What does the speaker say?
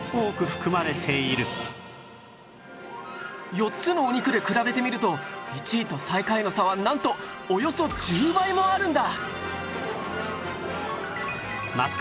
４つのお肉で比べてみると１位と最下位の差はなんとおよそ１０倍もあるんだ！